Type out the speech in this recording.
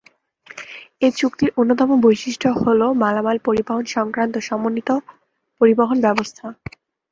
এ চুক্তির অন্যতম বৈশিষ্ট্য হলো মালামাল পরিবহণ সংক্রান্ত সমন্বিত পরিবহণ ব্যবস্থা।